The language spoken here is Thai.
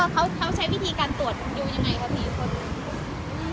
ก้าวสุ่มเดียว